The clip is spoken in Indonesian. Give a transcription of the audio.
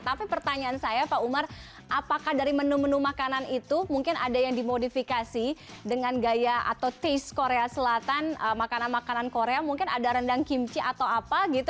tapi pertanyaan saya pak umar apakah dari menu menu makanan itu mungkin ada yang dimodifikasi dengan gaya atau taste korea selatan makanan makanan korea mungkin ada rendang kimchi atau apa gitu